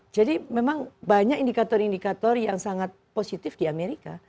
jadi memang banyak indikator indikator yang sangat positif di amerika